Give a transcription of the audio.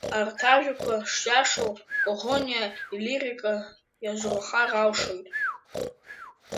Арҭ ажәақәа шиашоу Коӷониа илирика иазурхар алшоит.